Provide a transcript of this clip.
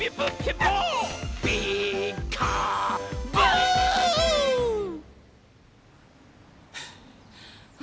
「ピーカーブ！」はあ。